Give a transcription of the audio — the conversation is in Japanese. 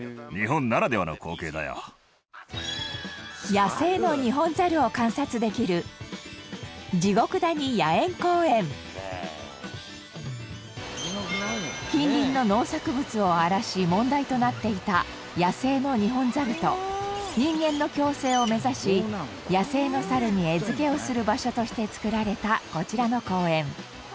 野生のニホンザルを観察できる近隣の農作物を荒らし問題となっていた野生のニホンザルと人間の共生を目指し野生の猿に餌付けをする場所として作られたこちらの公苑。